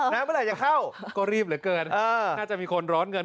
เมื่อไหร่จะเข้าก็รีบเหลือเกินน่าจะมีคนร้อนเงิน